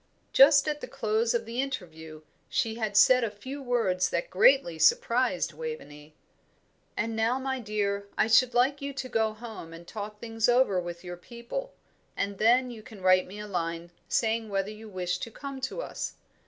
Just at the close of the interview she had said a few words that greatly surprised Waveney. "And now, my dear, I should like you to go home and talk things over with your people, and then you can write me a line saying whether you wish to come to us.